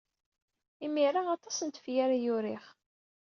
Imir-a, aṭas n tefyar ay uriɣ.